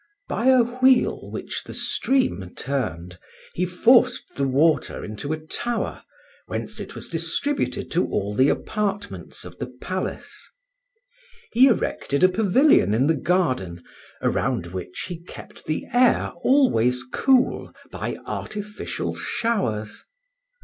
By a wheel which the stream turned he forced the water into a tower, whence it was distributed to all the apartments of the palace. He erected a pavilion in the garden, around which he kept the air always cool by artificial showers.